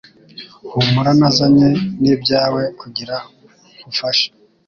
humura nazanye nibyawe kugira nkufashe